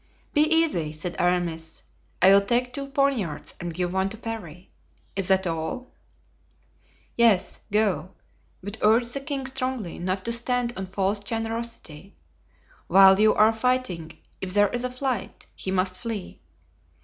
"Be easy," said Aramis; "I will take two poniards and give one to Parry. Is that all?" "Yes, go; but urge the king strongly not to stand on false generosity. While you are fighting if there is a fight, he must flee.